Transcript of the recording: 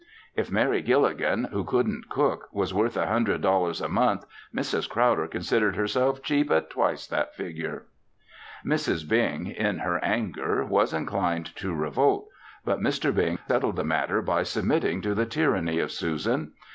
If Mary Gilligan, who couldn't cook, was worth a hundred dollars a month Mrs. Crowder considered herself cheap at twice that figure. Mrs. Bing, in her anger, was inclined to revolt, but Mr. Bing settled the matter by submitting to the tyranny of Susan.